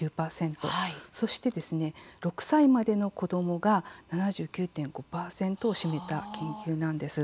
そして６歳までの子どもが７９．５％を占めた研究なんです。